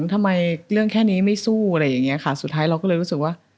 ทำไมเรื่องแค่นี้ไม่สู้อะไรอย่างนี้ค่ะสุดท้ายเราก็เลยรู้สึกว่า